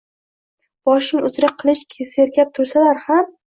Boshing uzra qilich serkab tursalar ham!!!